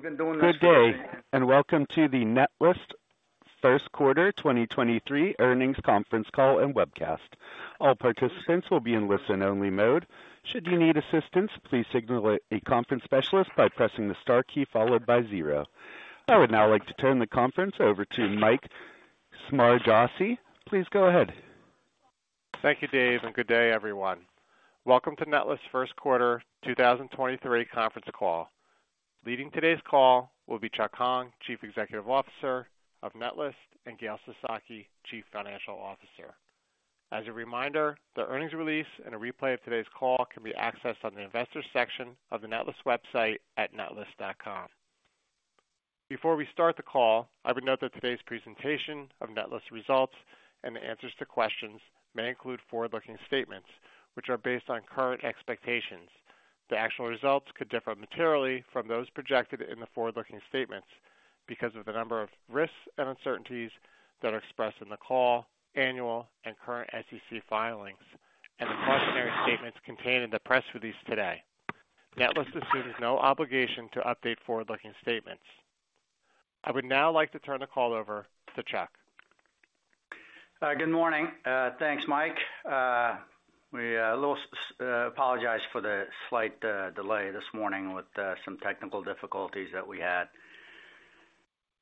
Good day. Welcome to the Netlist Q1 2023 earnings conference call and webcast. All participants will be in listen-only mode. Should you need assistance, please signal a conference specialist by pressing the star key followed by 0. I would now like to turn the conference over to Mike Smargiassi. Please go ahead. Thank you, Dave, and good day everyone. Welcome to Netlist Q1 2023 conference call. Leading today's call will be Chuck Hong, Chief Executive Officer of Netlist, and Gayle Sasaki, Chief Financial Officer. As a reminder, the earnings release and a replay of today's call can be accessed on the investor section of the Netlist website at netlist.com. Before we start the call, I would note that today's presentation of Netlist results and the answers to questions may include forward-looking statements, which are based on current expectations. The actual results could differ materially from those projected in the forward-looking statements because of the number of risks and uncertainties that are expressed in the call, annual and current SEC filings, and the cautionary statements contained in the press release today. Netlist assumes no obligation to update forward-looking statements. I would now like to turn the call over to Chuck. Good morning. Thanks, Mike. We apologize for the slight delay this morning with some technical difficulties that we had.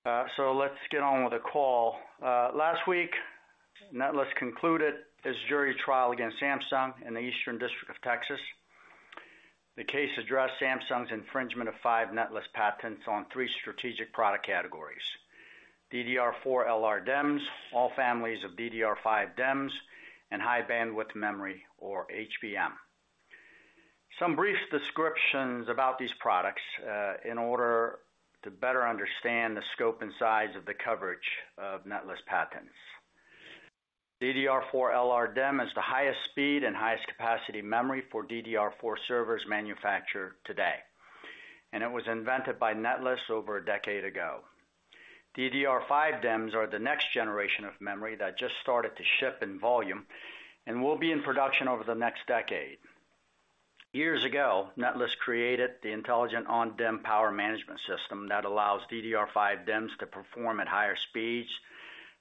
Let's get on with the call. Last week, Netlist concluded its jury trial against Samsung in the Eastern District of Texas. The case addressed Samsung's infringement of 5 Netlist patents on three strategic product categories: DDR4 LRDIMMs, all families of DDR5 DIMMs, and high-bandwidth memory, or HBM. Some brief descriptions about these products in order to better understand the scope and size of the coverage of Netlist patents. DDR4 LRDIMM is the highest speed and highest capacity memory for DDR4 servers manufactured today, and it was invented by Netlist over 10 years ago. DDR5 DIMMs are the next generation of memory that just started to ship in volume and will be in production over the next 10 years. Years ago, Netlist created the intelligent on-DIMM power management system that allows DDR5 DIMMs to perform at higher speeds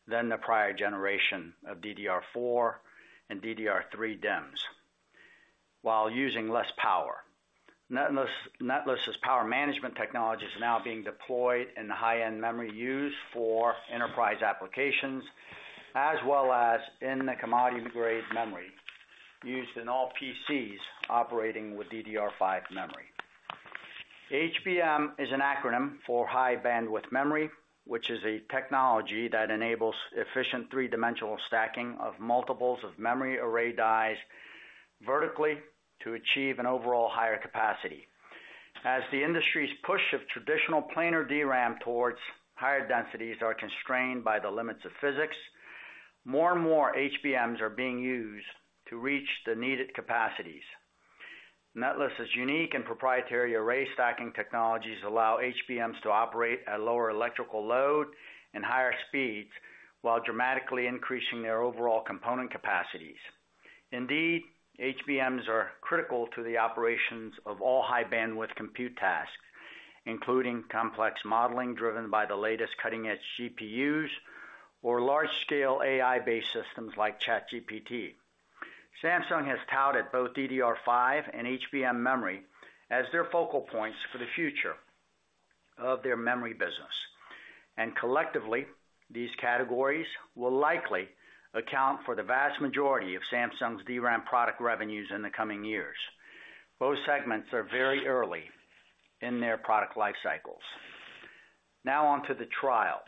than the prior generation of DDR4 and DDR3 DIMMs while using less power. Netlist's power management technology is now being deployed in the high-end memory used for enterprise applications, as well as in the commodity-grade memory used in all PCs operating with DDR5 memory. HBM is an acronym for High Bandwidth Memory, which is a technology that enables efficient three-dimensional stacking of multiples of memory array dies vertically to achieve an overall higher capacity. As the industry's push of traditional planar DRAM towards higher densities are constrained by the limits of physics, more and more HBMs are being used to reach the needed capacities. Netlist's unique and proprietary array stacking technologies allow HBMs to operate at lower electrical load and higher speeds, while dramatically increasing their overall component capacities. Indeed, HBMs are critical to the operations of all high-bandwidth compute tasks, including complex modeling driven by the latest cutting-edge GPUs or large-scale AI-based systems like ChatGPT. Samsung has touted both DDR5 and HBM memory as their focal points for the future of their memory business. Collectively, these categories will likely account for the vast majority of Samsung's DRAM product revenues in the coming years. Both segments are very early in their product life cycles. Now on to the trial.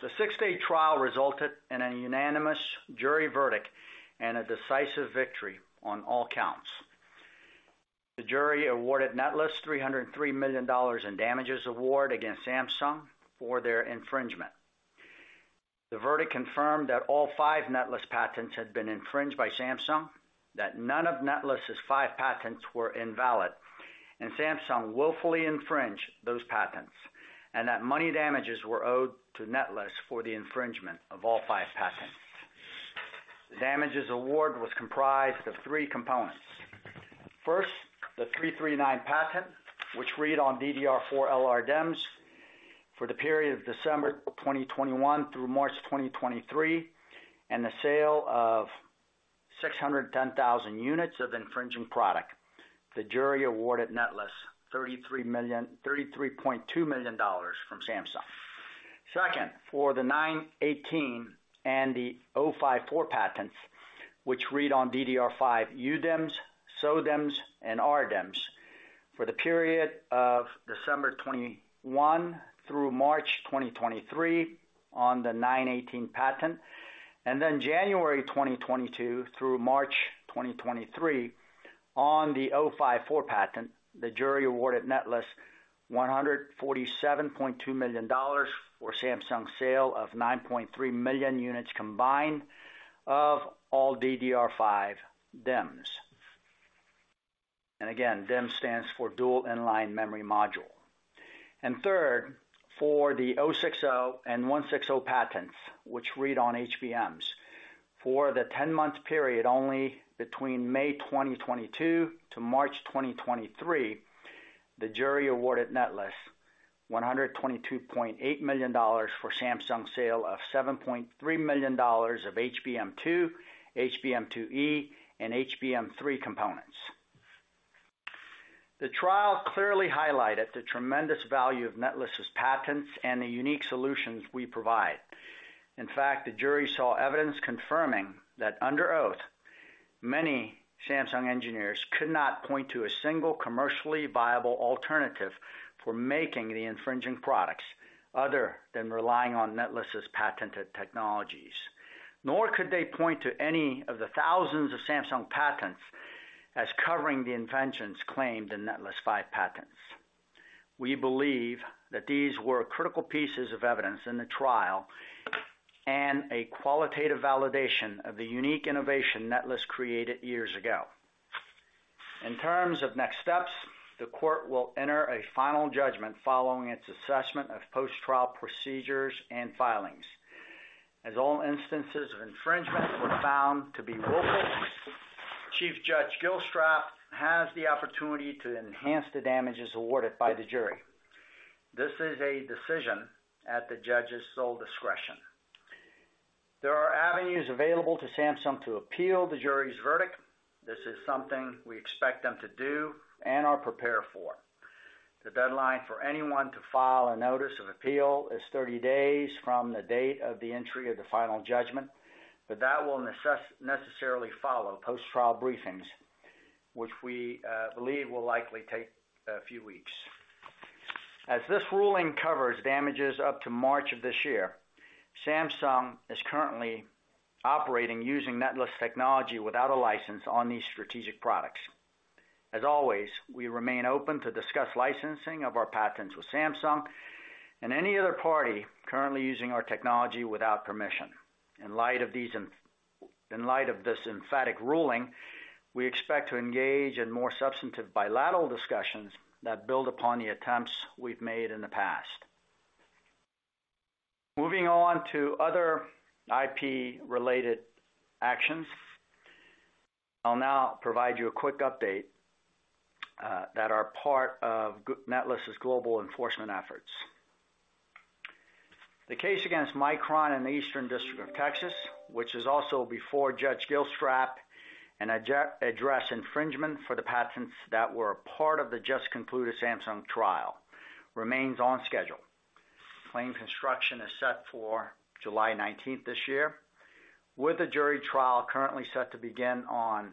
The 6-day trial resulted in a unanimous jury verdict and a decisive victory on all counts. The jury awarded Netlist $303 million in damages award against Samsung for their infringement. The verdict confirmed that all five Netlist patents had been infringed by Samsung, that none of Netlist's five patents were invalid, and Samsung willfully infringed those patents, and that money damages were owed to Netlist for the infringement of all five patents. The damages award was comprised of three components. First, the '339 patent, which read on DDR4 LRDIMMs for the period of December 2021 through March 2023, and the sale of 610,000 units of infringing product. The jury awarded Netlist $33.2 million from Samsung. Second, for the '918 and the '054 patents, which read on DDR5 UDIMMs, SODIMMs, and RDIMMs for the period of December 2021 through March 2023 on the '918 patent, January 2022 through March 2023 on the '054 patent, the jury awarded Netlist $147.2 million for Samsung's sale of 9.3 million units combined of all DDR5 DIMMs. DIMM stands for Dual In-line Memory Module. For the '060 and '160 patents, which read on HBMs. For the 10-month period only between May 2022 to March 2023, the jury awarded Netlist $122.8 million for Samsung's sale of $7.3 million of HBM2, HBM2E, and HBM3 components. The trial clearly highlighted the tremendous value of Netlist's patents and the unique solutions we provide. In fact, the jury saw evidence confirming that under oath, many Samsung engineers could not point to a single commercially viable alternative for making the infringing products other than relying on Netlist's patented technologies. Nor could they point to any of the thousands of Samsung patents as covering the inventions claimed in Netlist 5 patents. We believe that these were critical pieces of evidence in the trial and a qualitative validation of the unique innovation Netlist created years ago. In terms of next steps, the court will enter a final judgment following its assessment of post-trial procedures and filings. As all instances of infringement were found to be willful, Chief Judge Gilstrap has the opportunity to enhance the damages awarded by the jury. This is a decision at the judge's sole discretion. There are avenues available to Samsung to appeal the jury's verdict. This is something we expect them to do and are prepared for. The deadline for anyone to file a notice of appeal is 30 days from the date of the entry of the final judgment, but that will necessarily follow post-trial briefings, which we believe will likely take a few weeks. As this ruling covers damages up to March of this year, Samsung is currently operating using Netlist technology without a license on these strategic products. As always, we remain open to discuss licensing of our patents with Samsung and any other party currently using our technology without permission. In light of this emphatic ruling, we expect to engage in more substantive bilateral discussions that build upon the attempts we've made in the past. Moving on to other IP-related actions, I'll now provide you a quick update that are part of Netlist's global enforcement efforts. The case against Micron in the Eastern District of Texas, which is also before Judge Gilstrap, and address infringement for the patents that were a part of the just concluded Samsung trial, remains on schedule. Claim construction is set for July 19th this year, with the jury trial currently set to begin on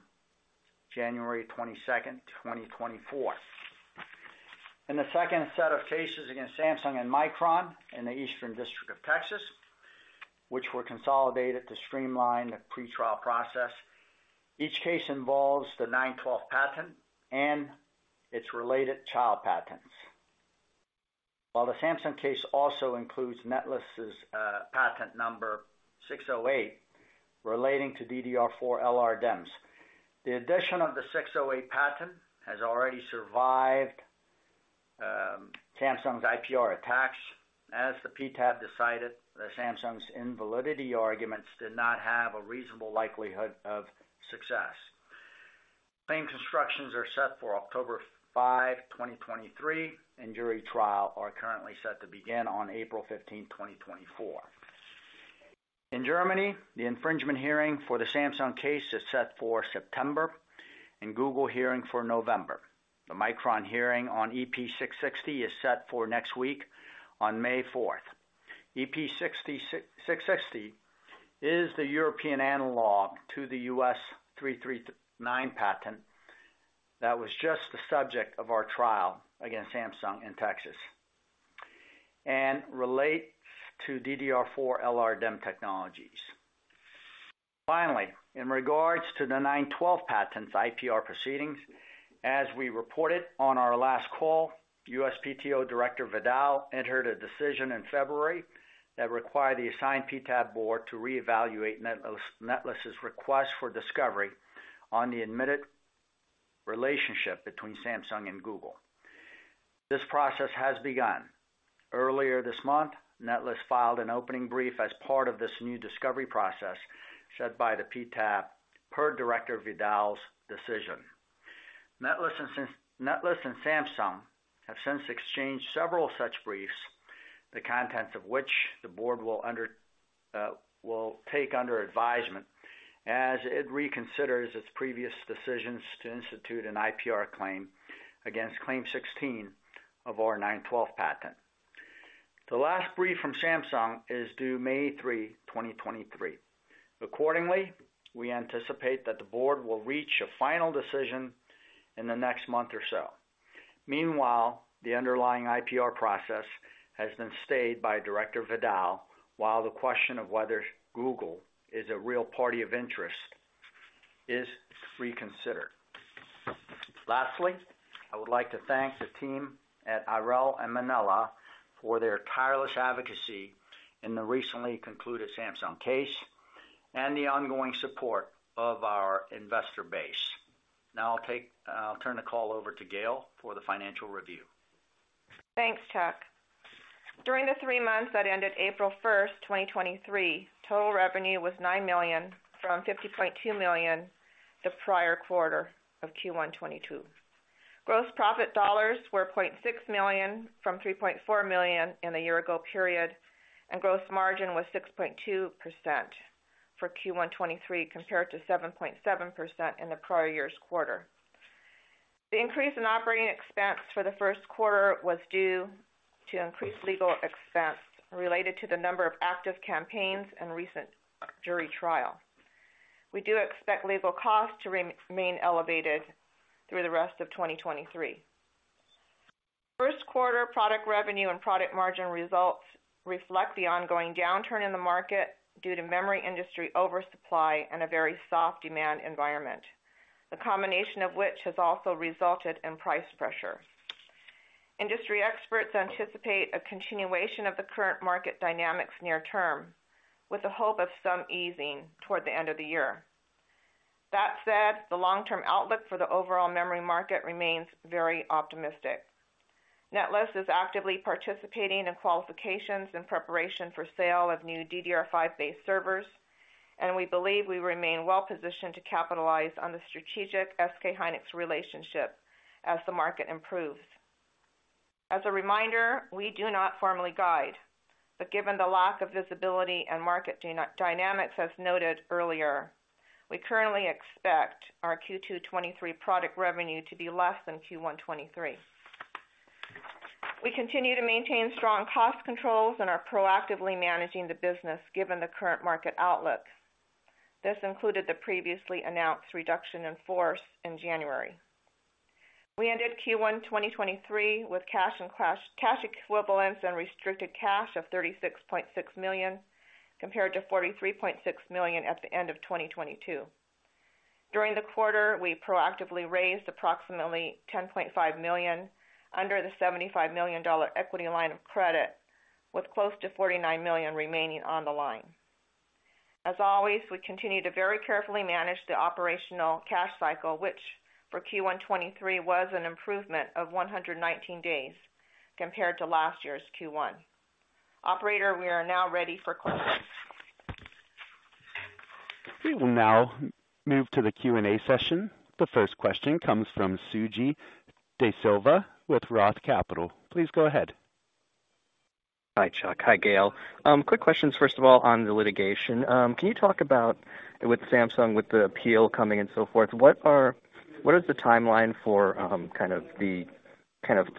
January 22nd, 2024. In the second set of cases against Samsung and Micron in the Eastern District of Texas, which were consolidated to streamline the pretrial process, each case involves the '912 patent and its related child patents. The Samsung case also includes Netlist's patent number '608 relating to DDR4 LRDIMMs. The addition of the '608 patent has already survived Samsung's IPR attacks, as the PTAB decided that Samsung's invalidity arguments did not have a reasonable likelihood of success. Claim constructions are set for October 5, 2023, jury trial are currently set to begin on April 15th, 2024. In Germany, the infringement hearing for the Samsung case is set for September, Google hearing for November. The Micron hearing on EP660 is set for next week on May 4th. EP660 is the European analog to the U.S. '339 patent that was just the subject of our trial against Samsung in Texas, relate to DDR4 LRDIMM technologies. Finally, in regards to the '912 patent's IPR proceedings, as we reported on our last call, USPTO Director Vidal entered a decision in February that required the assigned PTAB board to reevaluate Netlist's request for discovery on the admitted relationship between Samsung and Google. This process has begun. Earlier this month, Netlist filed an opening brief as part of this new discovery process set by the PTAB per Director Vidal's decision. Netlist and Samsung have since exchanged several such briefs, the contents of which the board will under will take under advisement as it reconsiders its previous decisions to institute an IPR claim against Claim 16 of our '912 patent. The last brief from Samsung is due May 3, 2023. Accordingly, we anticipate that the board will reach a final decision in the next month or so. The underlying IPR process has been stayed by Director Vidal, while the question of whether Google is a real party in interest is reconsidered. I would like to thank the team at Irell & Manella for their tireless advocacy in the recently concluded Samsung case and the ongoing support of our investor base. I'll turn the call over to Gail for the financial review. Thanks, Chuck. During the 3 months that ended April 1st, 2023, total revenue was $9 million from $50.2 million the prior quarter of Q1 2022. Gross profit dollars were $0.6 million from $3.4 million in the year ago period. Gross margin was 6.2% for Q1 2023 compared to 7.7% in the prior year's quarter. The increase in OpEx for the 1st quarter was due to increased legal expense related to the number of active campaigns and recent jury trial. We do expect legal costs to remain elevated through the rest of 2023. 1st quarter product revenue and product margin results reflect the ongoing downturn in the market due to memory industry oversupply and a very soft demand environment, the combination of which has also resulted in price pressure. Industry experts anticipate a continuation of the current market dynamics near term, with the hope of some easing toward the end of the year. That said, the long-term outlook for the overall memory market remains very optimistic. Netlist is actively participating in qualifications in preparation for sale of new DDR5 based servers, and we believe we remain well-positioned to capitalize on the strategic SK Hynix relationship as the market improves. As a reminder, we do not formally guide, but given the lack of visibility and market dynamics as noted earlier, we currently expect our Q2 2023 product revenue to be less than Q1 2023. We continue to maintain strong cost controls and are proactively managing the business given the current market outlook. This included the previously announced reduction in force in January. We ended Q1 2023 with cash equivalents and restricted cash of $36.6 million, compared to $43.6 million at the end of 2022. During the quarter, we proactively raised approximately $10.5 million under the $75 million equity line of credit, with close to $49 million remaining on the line. As always, we continue to very carefully manage the operational cash cycle, which for Q1 2023 was an improvement of 119 days compared to last year's Q1. Operator, we are now ready for questions. We will now move to the Q&A session. The first question comes from Suji Desilva with Roth Capital. Please go ahead. Hi, Chuck. Hi, Gail. Quick questions, first of all, on the litigation. Can you talk about with Samsung, with the appeal coming and so forth, what is the timeline for kind of the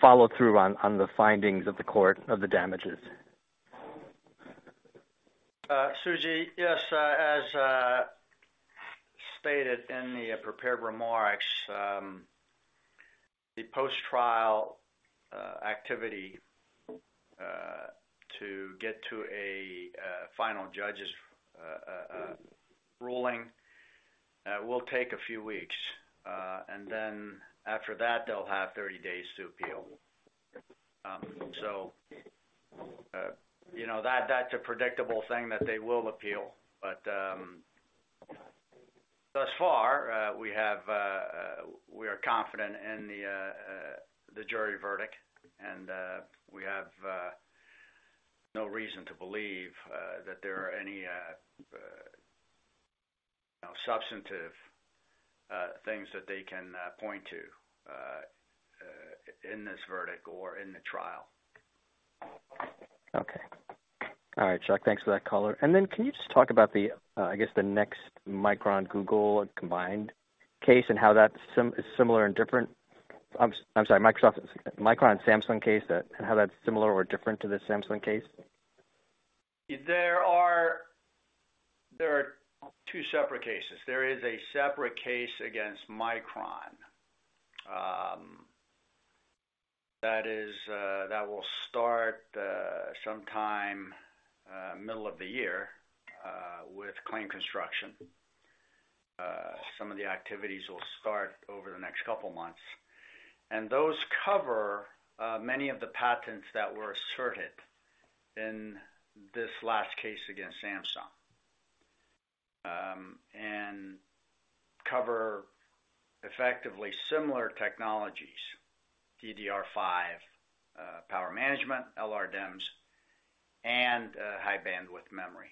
follow through on the findings of the court of the damages? Suji, yes, as stated in the prepared remarks, the post-trial activity to get to a final judge's ruling will take a few weeks. Then after that, they'll have 30 days to appeal. You know, that's a predictable thing that they will appeal. Thus far, we have, we are confident in the jury verdict, and we have no reason to believe that there are any, you know, substantive things that they can point to in this verdict or in the trial. Okay. All right, Chuck, thanks for that color. I'm sorry, Micron Samsung case, how that's similar or different to the Samsung case? There are two separate cases. There is a separate case against Micron, that is, that will start sometime middle of the year with claim construction. Some of the activities will start over the next couple of months, and those cover many of the patents that were asserted in this last case against Samsung, and cover effectively similar technologies, DDR5, power management, LRDIMMs, and High Bandwidth Memory.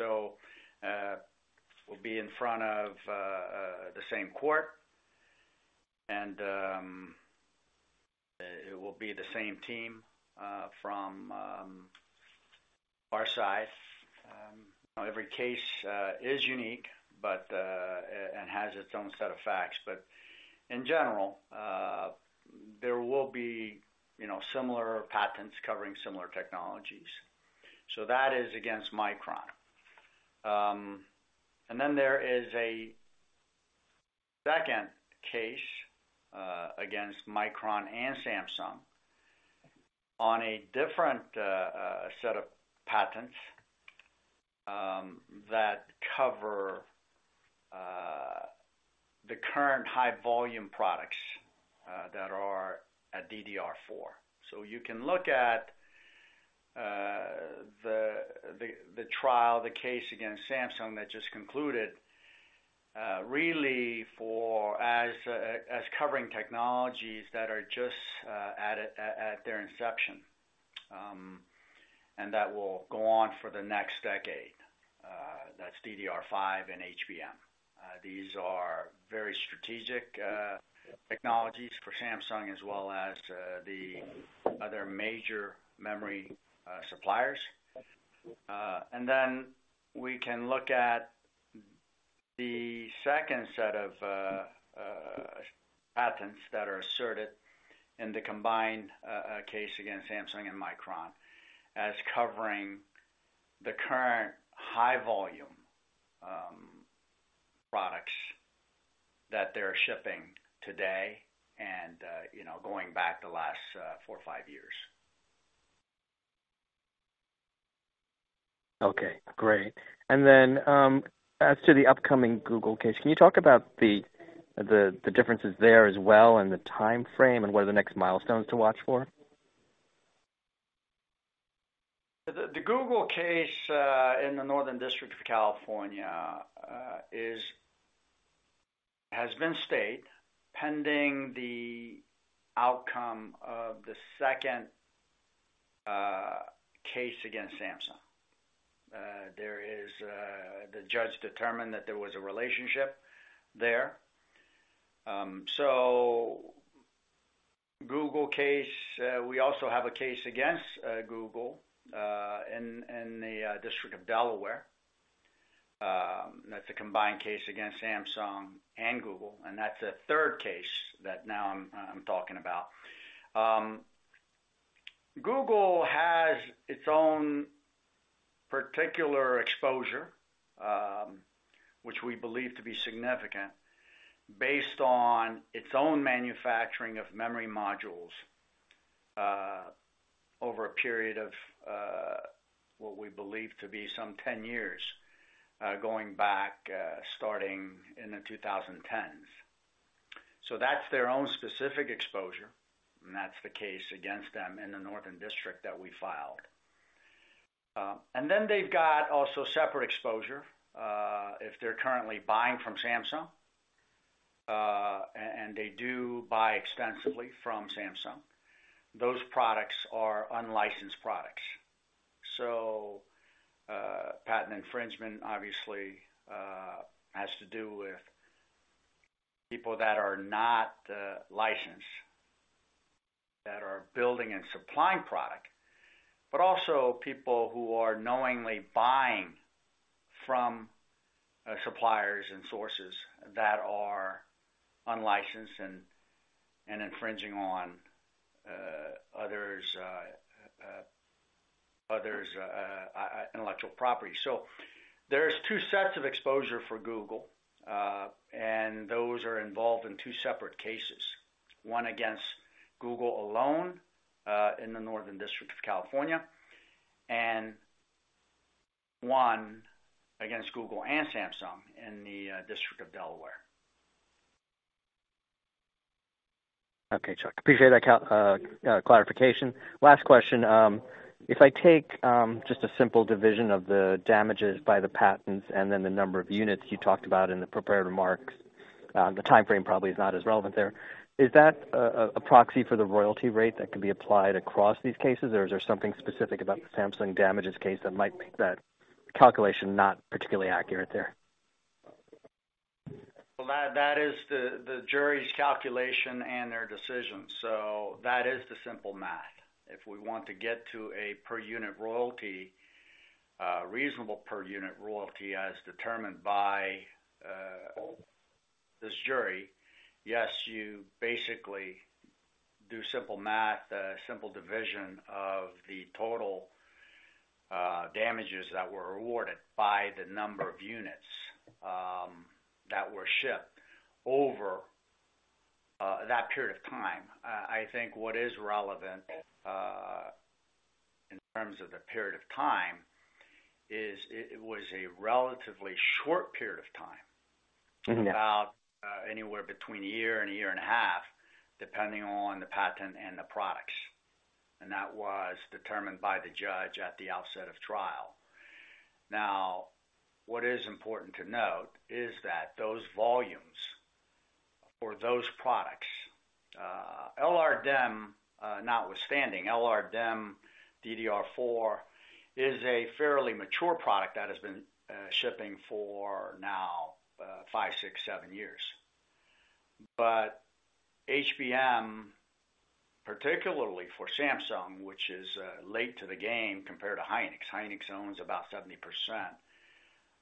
We'll be in front of the same court, and it will be the same team from our side. Every case is unique and has its own set of facts. In general, there will be, you know, similar patents covering similar technologies. That is against Micron. There is a second case against Micron and Samsung on a different set of patents that cover the current high volume products that are at DDR4. You can look at the trial, the case against Samsung that just concluded, really for as covering technologies that are just at their inception. That will go on for the next decade. That's DDR5 and HBM. These are very strategic technologies for Samsung as well as the other major memory suppliers. We can look at the second set of patents that are asserted in the combined case against Samsung and Micron as covering the current high volume products that they're shipping today and, you know, going back the last four or five years. Okay, great. As to the upcoming Google case, can you talk about the differences there as well and the timeframe and what are the next milestones to watch for? The Google case in the Northern District of California has been stayed pending the outcome of the second case against Samsung. The judge determined that there was a relationship there. Google case, we also have a case against Google in the District of Delaware. That's a combined case against Samsung and Google, and that's a third case that now I'm talking about. Google has its own particular exposure, which we believe to be significant based on its own manufacturing of memory modules over a period of what we believe to be some 10 years, going back, starting in the 2010s. That's their own specific exposure, and that's the case against them in the Northern District that we filed. They've got also separate exposure, if they're currently buying from Samsung, and they do buy extensively from Samsung. Those products are unlicensed products. Patent infringement obviously has to do with people that are not licensed, that are building and supplying product, but also people who are knowingly buying from suppliers and sources that are unlicensed and infringing on others intellectual property. There's two sets of exposure for Google, and those are involved in two separate cases, one against Google alone, in the Northern District of California, and one against Google and Samsung in the District of Delaware. Okay. Chuck, appreciate that clarification. Last question. If I take just a simple division of the damages by the patents and then the number of units you talked about in the prepared remarks, the timeframe probably is not as relevant there. Is that a proxy for the royalty rate that can be applied across these cases? Is there something specific about the Samsung damages case that might make that calculation not particularly accurate there? Well, that is the jury's calculation and their decision. That is the simple math. If we want to get to a per unit royalty, reasonable per unit royalty as determined by this jury, yes, you basically do simple math, simple division of the total damages that were awarded by the number of units that were shipped over that period of time. I think what is relevant in terms of the period of time is it was a relatively short period of time. Anywhere between a year and a year and a half, depending on the patent and the products, and that was determined by the judge at the outset of trial. What is important to note is that those volumes for those products, LRDIMM, notwithstanding, LRDIMM DDR4 is a fairly mature product that has been shipping for now, five, six, seven years. HBM, particularly for Samsung, which is late to the game compared to Hynix. Hynix owns about 70%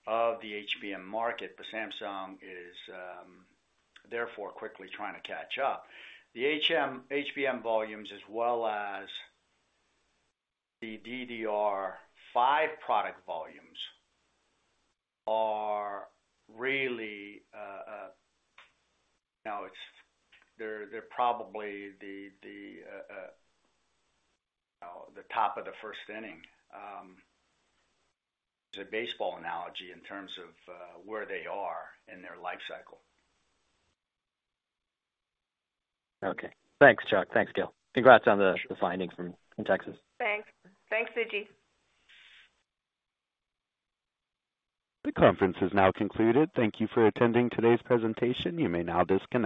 of the HBM market, Samsung is, therefore quickly trying to catch up. The HBM volumes as well as the DDR5 product volumes are really, they're probably the top of the first inning, the baseball analogy in terms of where they are in their life cycle. Okay. Thanks, Chuck. Thanks, Gail. Congrats on the finding from, in Texas. Thanks. Thanks, Suji. This conference is now concluded. Thank you for attending today's presentation. You may now disconnect.